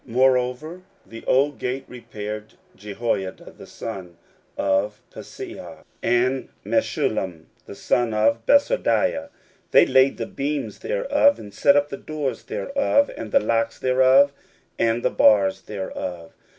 16:003:006 Moreover the old gate repaired Jehoiada the son of Paseah, and Meshullam the son of Besodeiah; they laid the beams thereof, and set up the doors thereof, and the locks thereof, and the bars thereof.